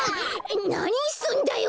なにすんだよ